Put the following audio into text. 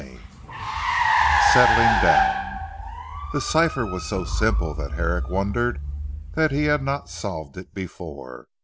CHAPTER XI SETTLING DOWN The cipher was so simple that Herrick wondered that he had not solved it before.